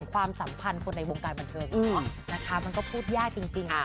ความสำคัญคนในวงการบรรเทิร์นนะคะมันก็พูดยากจริง